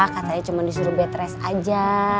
katanya cuma disuruh bed rest aja